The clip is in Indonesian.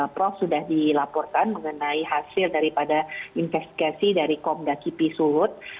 prof sudah dilaporkan mengenai hasil dari investigasi dari kombas kipi sulut